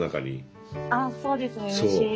あっそうですねうれしい。